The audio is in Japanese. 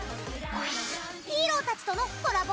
ヒーローたちとのコラボ